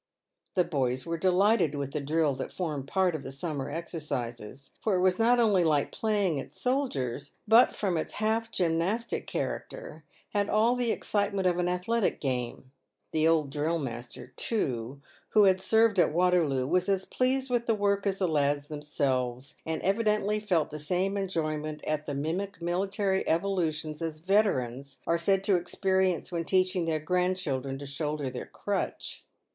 The boys were delighted with the drill that formed part of the summer exercises ; for it was not only like playing at soldiers, but, 56 PAVED WITH GOLD. from its half gymnastic character, had all the excitement of an athletic game. The old drill master, too, who had served at Water loo, was as pleased with the work as the lads themselves, and evidently felt the same enjoyment at the mimic military evolutions as veterans are said to experience when teaching their grandchildren to shoulder their crutch.